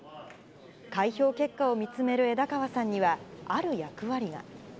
開票結果を見つめる枝川さんには、ある役割が。